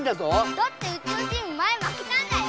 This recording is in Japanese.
だってうちのチーム前まけたんだよ！